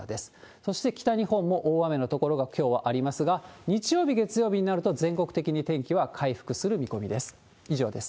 そして北日本も大雨の所が、きょうはありますが、日曜日、月曜日になると、全国的に天気は回復する見込みです。